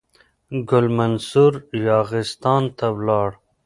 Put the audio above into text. ګل منصور یاغستان ته ولاړ.